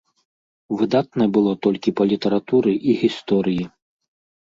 Выдатна было толькі па літаратуры і гісторыі.